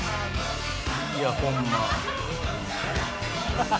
いやホンマ。